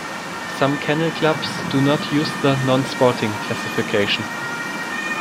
Some kennel clubs do not use the "Non-Sporting" classification.